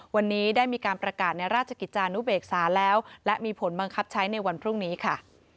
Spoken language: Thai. วันนี้ได้มีการประกาศในราชกิจจานุเบกษาแล้วและมีผลบังคับใช้ในวันพรุ่งนี้ค่ะ